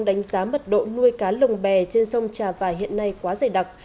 đánh giá mật độ nuôi cá lồng bè trên sông trà vài hiện nay quá dày đặc